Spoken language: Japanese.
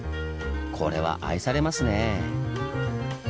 これは愛されますねぇ。